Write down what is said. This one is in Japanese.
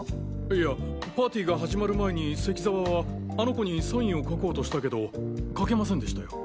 いやパーティーが始まる前に関澤はあの子にサインを書こうとしたけど書けませんでしたよ。